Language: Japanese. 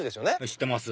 知ってます